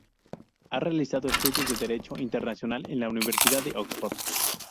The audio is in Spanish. Ha realizado estudios de Derecho Internacional en la Universidad de Oxford.